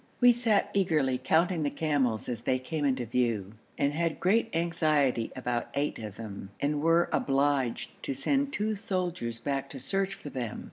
We sat eagerly counting the camels as they came into view, and had great anxiety about eight of them, and were obliged to send two soldiers back to search for them.